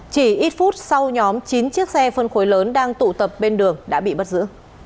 chỉ ít phút sau nhóm chín chiếc xe phân khối lớn đang tụ tập bên đường đã bị bắt giữ